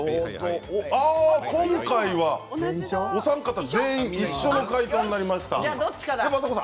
今回はお三方一緒の解答になりました。